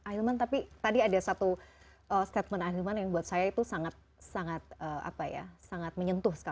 ahilman tapi tadi ada satu statement ahilman yang buat saya itu sangat menyentuh